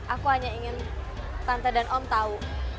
aku hanya ingin tante dan om tahu